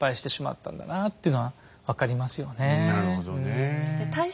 なるほどねえ。